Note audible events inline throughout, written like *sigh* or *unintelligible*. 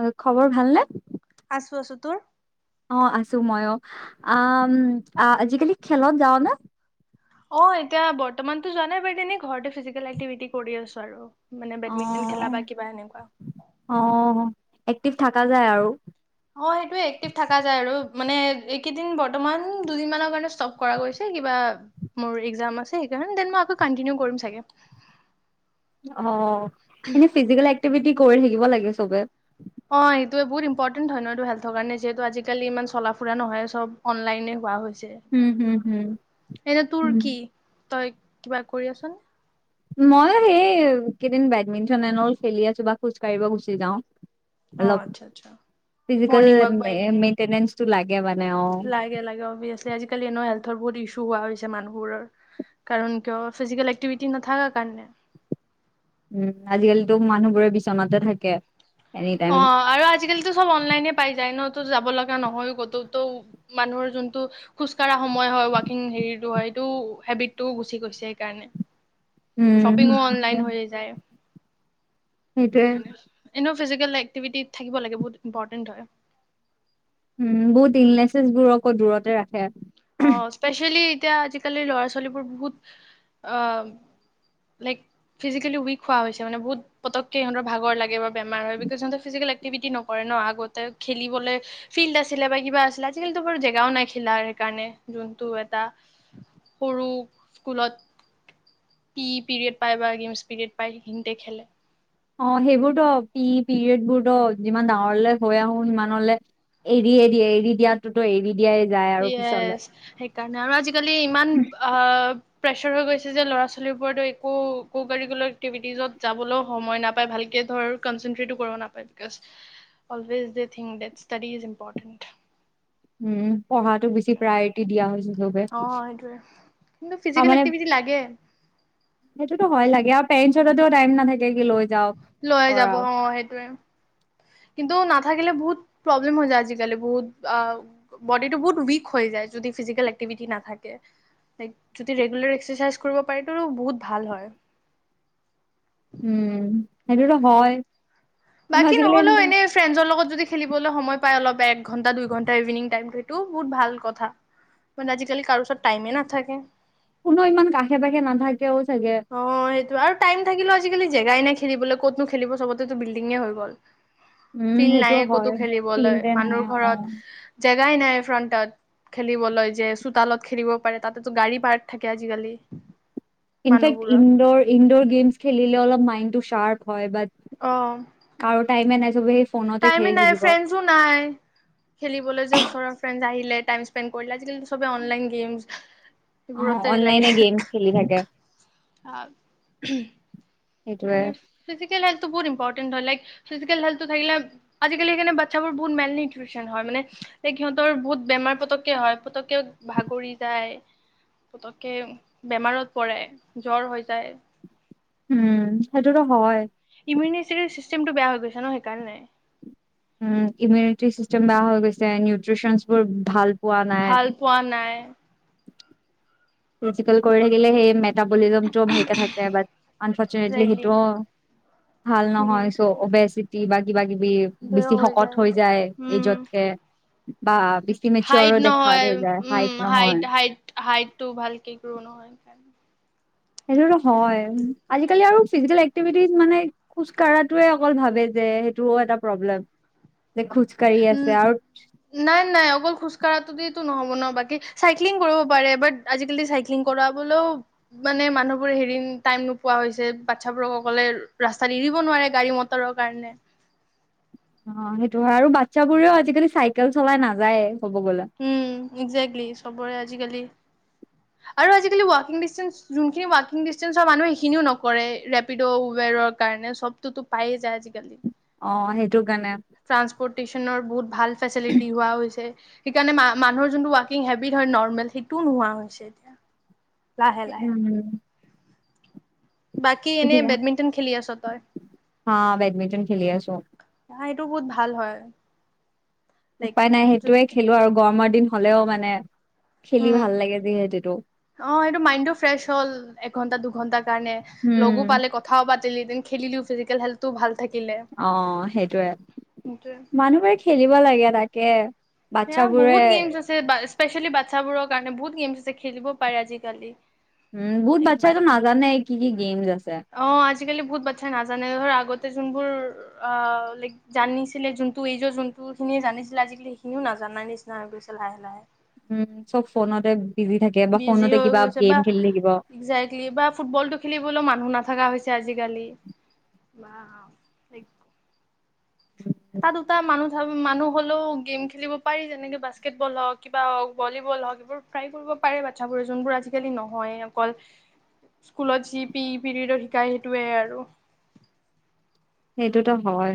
অ, খবৰ ভালনে? আছোঁ, আছোঁ। তোৰ? অ, আছোঁ ময়ো। আ, আম, আজিকালি খেলত যাৱ নে? অ, এতিয়া বৰ্তমানতো যোৱা নাই বাৰু, এনে ঘৰতে ফিজিকেল এক্টিভিটি কৰি আছোঁ আৰু। মানে অ বেডমিণ্টন খেলা বা কিবা এনেকুৱা। অ, এক্টিভ থকা যায় আৰু। অ, সেইটোৱে এক্টিভ থাকা যায় আৰু, মানে এইকেইদিন বৰ্তমান দুদিন মানৰ কাৰণে ষ্টপ কৰা গৈছে। কিবা মোৰ এক্সাম আছে সেইকাৰণে, ডেন মই আকৌ কণ্টিনিউ কৰিম ছাগে। অ, এনে ফিজিকেল এক্টিভিটি কৰি থাকিব লাগে চবে। অ, এইটোয়ে বহুত ইম্পৰ্টেণ্ট হয় ন, এইটো হেল্থৰ কাৰণে! যিহেতু আজিকালি ইমান চলা ফুৰা নহয়, চব অনলাইনে হোৱা উম হুম হুম। হৈছে। এনে উম তোৰ কি, তই কিবা কৰি আছ নে? মই সেই কেইদিন বেডমিন্টন এনেবোৰ খেলি আছোঁ বা খোজ কাঢ়িব গুচি যাওঁ। অ অলপ আচ্ছা আচ্ছা ফিজিকেল মৰ্ণিং ৱাক বা ইভিনিং মেইন্তেনেন্সটো লাগে মানে অ লাগে লাগে অভিয়াচলি আজিকালি এনে হেল্থৰ বহুত ইছ্যু হোৱা হৈছে মানুহবোৰ কাৰণ কিয় ফিজিকেল এক্টিভিটি নাথাকাৰ কাৰণে উম আজিকালিতো মানুহবোৰে বিচনাতে থাকে এনি টাইম। অ আৰু আজিকালিতো চব অনলাইনে পাই যায় ন তো যাব লগা নহয় ক'তো ত মানুহৰ যোনটো খোজকাঢ়া সময় হয় ৱাকিং হেৰিটো হয় এইটো হেবিটটো গুচি গৈছে সেইকাৰণে উম শ্বপিংও অনলাইন হৈ যায় সেইটোৱে সেইকাৰণে। এনেও ফিজিকেল এক্টিভিটিত থাকিব লাগে বহুত ইম্পৰ্টেণ্ট হয় উম বহুত ইলনেচেছ বোৰকো আকৌ দূৰতে ৰাখে অ স্পেচিয়েলি এতিয়া আজিকালি ল'ৰা ছোৱালীবোৰ বহুত আহ লাইক ফিজিকেলি উইক হোৱা হৈছে মানে বহুত পতককে সিহঁতৰ ভাগৰ লাগে বা বেমাৰ হয় বিকজ সিহঁতে ফিজিকেল এক্টিভিটি নকৰে ন আগতে খেলিবলে ফিল্ড আছিলে বা কিবা আছিলে আজিকালিত বাৰু জেগাও নাই খিলাৰ কাৰণে যোনটো এটা সৰু স্কুলত টি পিৰিয়ড পাই বা গেমছ পিৰিয়ড পায় সেইখিনিতে খেলে অ সেইবোৰতো পি পিৰিয়ড বোৰতো যিমান ডাঙৰলে হৈ আহো সিমানলে এৰিয়ে দিয়ে এৰি দিয়াতোতো এৰি দিয়াই যায় আৰু য়েছ পিছলে সেইকাৰণে আৰু আজিকালি ইমান অ প্ৰেচাৰ হৈ গৈছে যে ল'ৰা ছোৱালীৰ ওপৰতো একো কাৰিকুলাৰ এক্টিভিটিজত যাবলৈও সময় নাপায় ভালকে ভালকে ধৰ কনচেনট্ৰেটো কৰিব নাপায় because always they thing that study is important um পঢ়াটোক বেছি প্ৰায়ৰিটি দিয়া হৈছে সবে অ সেইটোয়ে কিন্তু ত ফিজিকেল মানে এক্টিভিটি লাগে সেইটোতো হয় লাগে আৰু পেৰেন্ছতাতেও টাইম নাথাকে কি লৈ যাওক লৈ কৰা যাব অ সেইটোৱে কিন্তু নাথাকিলে বহুত প্ৰব্লেম হৈ যায় আজিকালি বহুত আহ বডিটো বহুত উইক হৈ যায় যদি ফিজিকেল এক্টিভিটি নাথাকে লাইক যদি ৰেগুলাৰ এক্সাৰচাইজ কৰিব পাৰি তো বহুত ভাল হয় উম সেইটোতো হয় কিন্তু বাকী আজিকালি নহলেও এনেকুৱা এনে ফ্ৰেণ্ডজৰ লগত যদি খেলিবলৈ সময় পায় অলপ এক ঘন্টা দুই ঘন্টা ইভিনিং টাইম সেইটো বহুত ভাল কথা মানে আজিকালি কাৰো ওচৰত টাইমে নাথাকে কোনো ইমান কাষে পাষে নাথাকেও চাগে অ সেইটো আৰু টাইম থাকিলে আজিকালি জেগাই নাই খেলিবলৈ ক'তনো খেলিব চবতে বিল্ডিঙে হৈ গ'ল উম ফিল্ড সেইটো নায়ে হয় ক'তো খেলিবলৈ ফিল্ডে মানুহৰ নাই অ ঘৰত জেগাই নাই ফ্ৰণ্টত খেলিবলৈ যে চোতালত খেলিব পাৰে তাতেতো গাড়ী পাৰ্ক থাকে আজিকালি ইনফেক্ট মানুহবোৰৰ ইনডৰ ইনডৰ গেমছ খেলিলে অলপ মাইণ্ডটো চাৰ্প হয় বা অ আৰু টাইমে নাই চবে ফোনতে টাইমে খেলি নাই থাকিব ফ্ৰেণ্ডছো নাই খেলিবলৈ যে ওচৰৰ ফ্ৰেণ্ড আহিলে টাইম স্পেণ্ড কৰিলে আজিকালি চবে অনলাইন গেমছ অ এইবোৰতে অনলাইনে গেমচ খেলি থাকে অ সে সেইটোয়ে ফিজিকেল হেলটো বহুত ইম্পৰ্টেণ্ট হয় লক ফিজিকেলটো থাকিলে আজিকালি সেইকাৰণে বাচ্ছাবোৰ বহুত মেইনলি নিউট্ৰিচন হয় মানে সিহঁতৰ বহুত বেমাৰ পতককে হয় পতককে ভাগৰি যায়। পুতকৈ বেমাৰত পৰে জ্বৰ হৈ যায়। উম', সেইটোতো হয়। ইমিউনিটি চিষ্টেমটো বেয়া হৈ গৈছে ন সেইকাৰণে। উম, ইমিউনিটি চিষ্টেম বেয়া হৈ গৈছে, নিউট্ৰিচেনচ বোৰ ভাল পোৱা নাই। ভাল পোৱা নাই। ৰচিকেল কৰি আহিলে সেই মে মেতাপলিজমটোও ভালকে থাকে বাত আনফৰ্চুনেটলি একজেক্টলি সেইটোও ভাল উম নহয় চ' অবেচিটি বা কিবা কিবি বেছি শকত হৈ যায় উম এজতকে। বা হাইট দেখাত নহয় হৈ যায় উম হাইট নহয় হাইট হাইটটো ভালকে গ্ৰ' নহয় সেইকাৰণে- সেইটোতো হয়, আজিকালি আৰু ফিজিকেল এক্টিভিটিজ মানে খোজ কাঢ়াতোৱে অকল ভাবে যে সেইটোও এটা প্ৰব্লেম, যে খোজ কঢ়ি উম আছে আৰু- নাই নাই অকল খোজ কাঢ়াটোতেতো নহ'ব ন বাকী চাইক্লিং কৰিব পাৰে বাত আজিকালি চাইক্লিং কৰাবলৈ মানে মানুহবোৰে হেৰি টাইম নোপোৱা হৈছে, বাচ্ছাবোৰক অকলে ৰাস্তাত এৰিব নোৱাৰে গাড়ী মটৰ মটৰৰ কাৰণে। অ সেইটো হয় আৰু বাচ্ছাবোৰেও আজিকালি চাইকেল চলাই নাযায়েই ক'ব গ'লে। উম একজাককটলি চবৰে আজিকালি *inaudible* আৰু আজিকালি ৱাকিং ডিচটেঞ্চ যোনখিনি ৱাকিং ডিচষ্টেঞ্চৰ মানুহ সেইখিনিও নকৰে, ৰেপিড' উবেৰৰ কাৰণে চব চবতো পায়ে যায় আজিকালি। অ সেইটোৰ কাৰণে। ট্ৰান্সপোৰ্টেশনৰ বহুত ভাল ফেচিলিটি হোৱা হৈছে। সেইকাৰণে মা মানুহৰ যোনটো ৱাকিং হেবিট হয় নৰ্মেল সেইটোও নোহোৱা হৈছে এতিয়া। লাহে লাহে উম'। বাকী এনে এতিয়া বেডমিণ্টন খেলি আছো তই? হা বেডমিণ্টন খেলি আছো। হা এইটো বহুত ভাল হয়। লাইক উপায় নাই সেইটোৱে যদি খেলো আৰু গৰমৰ দিন হলেও মানে, খেলি উম ভাল লাগে যিহেতু। অ এইটো মাইণ্ডটো ফ্ৰেছ হ'ল এঘন্টা দুঘন্টা কাৰণে লগো পালে ক কথাও পাতিলি খেলিলি ফিজিকেল হেলথ তো ভাল থাকিলে। অ সেইটোয়ে সেইটোৱে মানুহবোৰে খেলিব লাগে তাকে। সেয়া বাচ্ছাবোৰে বহুত গেমছ স্পেচিয়েলি বাচ্ছাবোৰৰ কাৰণে বহুত গেমছ আছে খেলিব পাৰে আজিকালি। উম মোৰ বাচ্ছাইটো নাজানে কি কি গেমছ আছে। অ আজিকালি বহুত বাচ্ছা নাজানে ধৰ আগতে যোনবোৰ অ লাইক জানিছিলে যোনটো এইজৰ যোনটো খিনিয়ে জানিছিলে আজিকালি সিনিও নাজানাই নিচিনা হৈ গৈছে লাহে লাহে। উম চব ফোনতে বিজি থাকে বা বিজি ফোনতে হৈ কিবা গৈছে গেম বা খেলি থাকিব। একজেক্টলি বা ফুটবলটো খেলিবলৈ মানুহ নাথাকা হৈছে আজিকালি। লাইক এটা দুটা মানুহ মানুহ হ'লেও গেম খেলিব পাৰি, যেনেকে বাস্কেটবল হওক কিবা হওক ভলীবল হওক এইবোৰ ফ্ৰাই কৰিব পাৰে বাচ্ছাবোৰে যোনবোৰ আজিকালি নহয় অকল স্কুলত যি পি পিৰিয়ডৰ শিকায় সেইটোৱে আৰু। সেইটোতো হয়।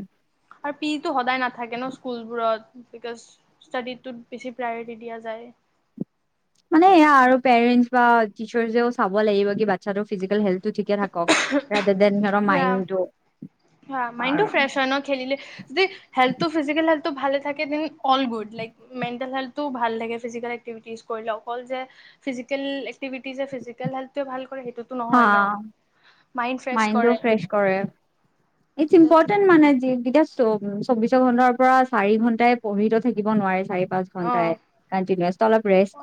আৰু পি সদায় নাথাকে ন স্কুলবোৰত বিক'জ ষ্টাডিটোত বেছি প্ৰায়ৰিটি দিয়া যায়। মানেয়া আৰু পেৰেন্ট বা টিচাৰজও চাব লাগিব কি বাচ্ছটো ফিজিকেল হেল টো ঠিকে থাকাক দেন ধৰ মাইণ্ডটো হা, মাইণ্ডটো আৰু ফ্ৰেছ হয় ন খেলিলে যি হেল্থো ফিজিকেল হেল্থো ভাল থাকে then all good like mental হেল্থটোও ভাল লাগে ফিজিকেল এক্টিভিটিজ কৰিলে অকল যে ফিজিক্টিজিকেল একটিভিটি ফিজিকেল হেল্ট ভাল কৰে সেইটো হা নহয় ন মাইণ্ড ফ্ৰেচ মাইণ্ডটো কৰে। ফ্ৰেছ কৰে ই ইম্পৰ্টটেন মানে চৌবিশ ঘন্টাৰ পৰা চাৰি ঘন্টাই পঢ়ি তো থাকিব নোৱাৰে চাৰি পাঁচ অ ঘন্টাই। কণ্টিনাছ।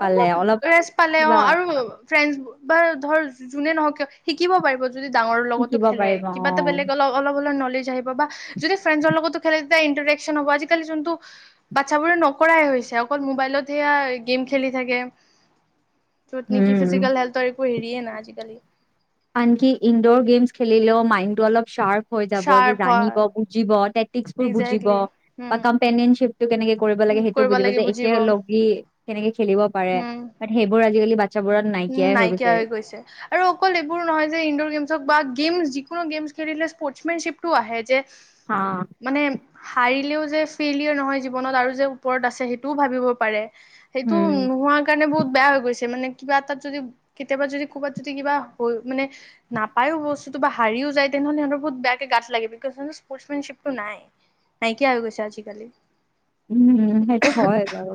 অলপ ৰেষ্ট পালে অ', আৰু ফ্ৰেণ্ড বা ধৰ যোনে নহও কিয় শিকিব পাৰিব। যদি ডাঙৰ লগতো শিকিব খেলে পাৰিব অ কিবা এটা বেলেগ অলপ অলপ, অলপ নলেজ আহিব বা যদি ফ্ৰেনজৰ লগতো খেলে তেতিয়া ইন্টাৰেশচন হ'ব আজিকালি যোনটো বাচ্ছাাবোৰে নকৰাই হৈছে অকল মোবাইলত সেয়া গেম খেলি থাকে য'ত নেকি উম। ফিজিকেল হেল্থৰ একো হেৰিয়ে নাই আজিকালি আনকি ইনড'ৰ গেমছ খেলিলেও মাইণ্ড টো অলপ চ্বাৰ্প হৈ যাব যে চাৰ্প জানিব হয় বুজিব টেকটিক বোৰ বুজিব একজেক্টলি বা উম কম্পেনিয়নিপ টো কেনেকে কৰিব লাগে সেইটো কৰিব বুজিব লাগে যে একে লগি কেনেকে খেলিব পাৰে উম সেইবোৰ আজিকালি বাচ্ছাবোৰত উম নাইকিয়া হৈ গৈছে। আৰু অকল এইবোৰ নহয় যে ইনডোৰ গেমছক বা গেমছ যিকোনো গেমছ খেলিলে স্পৰ্টছমেনশ্বিপটো আহে যে হা। মানে হাৰিলেও যে ফেইলিয়ৰ নহয় জীৱনত আৰু যে ওপৰত আছে সেইটোও ভাবিব পাৰে। সেইটো উম, নোহোৱাৰ কাৰণে বহুত বেয়া হৈ গৈছে মানে। কিবা এটাত যদি কেতিয়াবা যদি ক'ৰবাত যদি কিবা হয় মানে নাপায়ো বস্তুটো বা হাৰিও যায় তেনেহ'লে সিহতৰ বহুত বেয়াকে গাত লাগিব বিক'জ সিহঁতৰ স্পৰ্ট স্পেনশ্বিপটো নাই। নাইইকিয়া হৈ গৈছে আজিকালি। উম, হম সেইটো হয় বাৰু।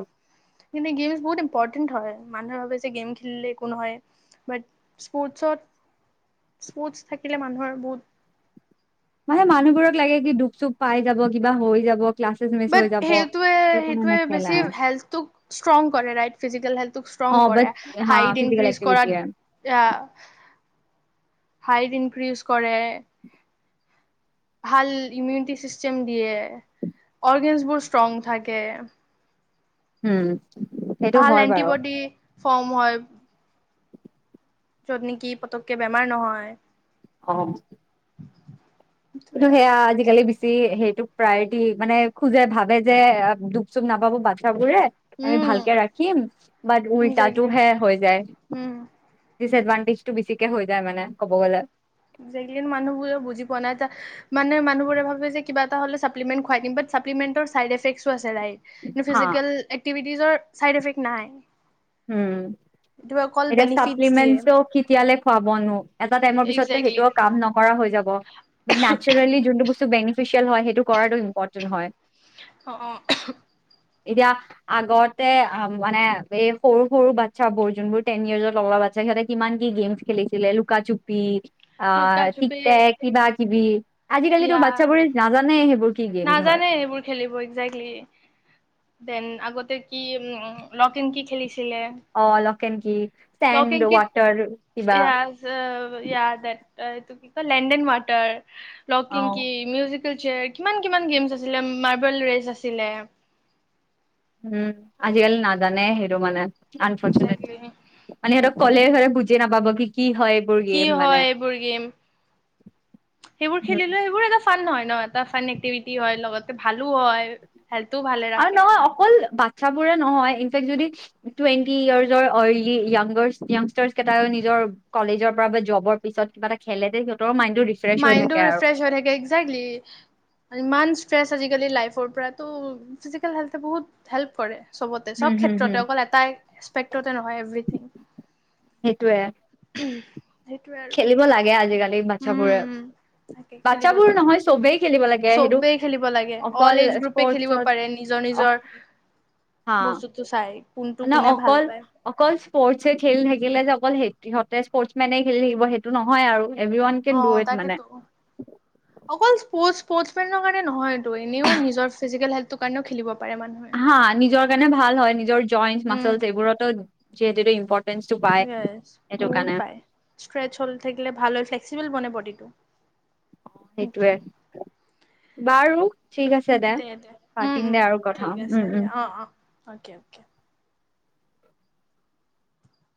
কিন্তু গেমছ বহুত ইম্পৰ্টেন্ট হয় মানুহে ভাবে যে গেম খেলিলে একো নহয় বাট স্পৰ্টছত স্পৰ্টচ থাকিলে মানুহৰ বহুত মানে মানুহবোৰক লাগে কি দুখ চুখ পাই যাব কিবা হৈ যাব। ক্লাছেছ মিছ বাট হৈ যাব সেইটোৱে সেইটো কাৰণে সেইটোৱে বেছি নেখেলাই হেল্থটোক ষ্ট্ৰং কৰে ৰাইট। ফিজিকেল হেল্থটোক ষ্ট্ৰং অ' বাট কৰে হা হাইট ফিজিকেল ইনক্ৰিজ এক্টিভিটিয়ে কৰাত আহ হাইট ইনক্ৰিজ কৰে। ভাল ইমিউনিটি ছিষ্টেম দিয়ে অৰ্গেনছবোৰ ষ্ট্ৰং থাকে। হম। ভাল এন্টিবডি ফৰ্ম হয়। য'ত নেকি পতককে বেমাৰ নহয়। অ'। *unintelligible* *inaudible* কিন্তু আৰু সেয়া আজিকালি বি *unintelligible* সেইটোক প্ৰায়ৰিটি মানে খোজে ভাবে যে দুপ চুপ নাপাব বাচ্ছাবোৰে আমি উম ভালকে ৰাখিম বাট উল্টাটো একজেক্টলি হে হৈ যায় উম ডিচএডভানটেজটো বেছিকে হৈ যায় মানে ক'ব গ'লে *unintelligible* মানুহ বোৰে বুজি পোৱা নাই এটা মানে মানুহবোৰে ভাবে যে কিবা এটা হলে চাপলিমেন্ট খুৱাই দিম বাট চাপলিমেণ্টৰ চাইড এফেকছো্ আছে ৰাইট কিন্তু হা ফিজিকেল একটিভিটিজৰ চাইড এফেক্ট নাই হম এইটো অকল এতিয়া বেনিফিটছ দিয়ে চাপ্লিমেন্টো কেতিয়ালে খুৱাবনো এটা টাইমৰ পিছত তো একজেক্টলি সেইটোও কাম ন কৰা হৈ যাব বাট নাছেৰেলি যোনটো বস্তু বেনিফিচিয়াল হয় সেইটো কৰাটো ইম্পৰ্টেন্ট হয় অ অ এতিয়া আগতে অ মানে এই সৰু সৰু বাচ্ছা বোৰ যোনবোৰ টেন ইয়াৰছৰ লৰা বাচ্ছা সিহঁতে কিমান কি গেমছ্ খেলিছিলে লুকাচুপি অ লুকা চুপি টিকটেক কিবা কিবি আজিকালিতো ইয়া বাচ্ছা বোৰে নাজানে সেইবোৰ কি গেমচ হয় নাজানে সেইবোৰ খেলিব ইকজেক্টলি দেন আগতে কি উম লক এন্ড কি খেলিছিলে অ lock and key sand water কিবা ইয়াতে এইটো কি কয় land and water lock and key um musical chair কিমান কিমান গেমছ্ আছিলে মাৰ্বল ৰেচ আছিলে উম আজিকালি নাজানে সেইটো মানে আনফৰ্চুনেট একজেক্টলি মানে সিহতক কলে সিহঁতে বুজিয়ে নাপাব কি কি হয় এইবোৰ কি গেম মানে হয় এইবোৰ গেম সেইবোৰ উম খেলিলে সেইবোৰ এটা ফান হয় ন এটা ফান এক্টিভিটি হয় লগতে ভালো হয় হেল্থও ভালে আৰু ৰাখে নহয় অকল বাচ্ছাবোৰে নহয় ইনফেক্ট যদি টুৱেন্টি ইয়াৰ্ছৰ আৰলি য়াংগাৰ্ছ য়াংষ্টাৰ্চ কেইটাইও নিজৰ কলেজৰ পৰা বা জবৰ পিছত কিবা এটা খেলে তে সিহতৰ মাইণ্ডটো ৰিফ মাইণ্ডটো ৰিফ্ৰেছ হৈ থাকে এক্জে্কলি ইমান ষ্ট্ৰেছ আজিকালি লাইফৰ পৰা তো ফিজিকেল হেল্থে বহুত হেল্প কৰে চবতে হুম সব হুম হুম। ক্ষেত্ৰতে অকল এটাই এছপেক্টতে নহয় এভৰিথিং সেইটোয়ে সেইটোয়ে আৰু খেলিব এতিয়া লাগে আজিকালি বাচ্ছাবোৰে উম তাকে খেলিব বাচ্ছাবোৰ লাগে নহয় চবেই খেলিব লাগে সেইটো চবেই খেলিব লাগে অল অকল এজ গ্ৰুপে খেলিব স্পৰ্টচত পাৰে নিজৰ অ হা টো চাই কোনটো মানে কোনে ভাল অকল পায় অকল স্পৰ্টছে খেলি থাকিলে যে অকলহঁতে স্পৰ্টচ মেনে খেলি থাকিব সেইটো নহয় আৰু everyone uh can do it মানে তাকেতো অকল স্পট স্পৰ্ট মেনৰ কাৰণে নহয়তটো এনেওঁ নিজৰ ফিজিকেল হেল্থৰ কাৰণওঁ খেলিব পাৰে মানুহে হা নিজৰ কাৰণে ভাল হয় নিজৰ জইন্টচ উম মাচলচ এইবোৰতো যিহেতুটো ইম্পৰ্টে *unintelligible* পাই ব য়েছ সেইটো বহুত কাৰণে পায় ষ্ট্ৰেচ হলি থাকিলে ভাল হয় ফ্লেক্সিবল বনে বডিটো অ সেইটোৱে বাৰু ঠিক আছে দে দে উম পাতিম উম দে আৰু কথা ঠিক উম আছে দে um uh uh okay okay